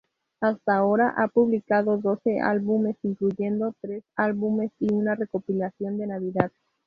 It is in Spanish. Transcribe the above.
Hasta ahora ha publicado doce álbumes, incluyendo tres álbumes y una recopilación de Navidad.